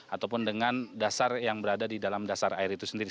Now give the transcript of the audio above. ataupun dengan dasar yang berada di dalam dasar air itu sendiri